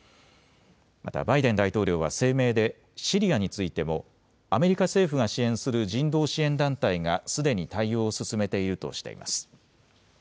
またバイデン大統領は声明でシリアについてもアメリカ政府が支援する人道支援団体がすでに対応を進めているとしています。